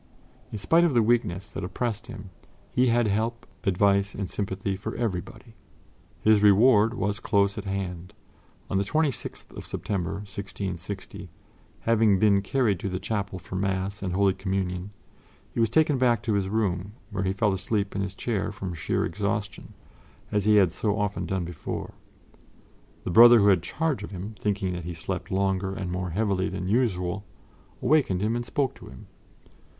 In spite of the weakness that oppressed him, he had help, advice and sympathy for everybody. His reward was close at hand. On the 26th of September, 1660, having been carried to the chapel for Mass and Holy Communion, he was taken back to his room, where he fell asleep in his chair from sheer exhaustion, as he had so often done before. The brother who had charge of him, thinking that he slept longer and more heavily than usual, awakened him and spoke to him.